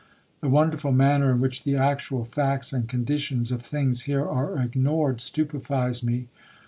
The wonderful manner in which the actual facts and condition of things here are ignored stupefies me.